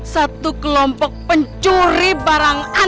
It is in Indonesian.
satu kelompok pencuri barangan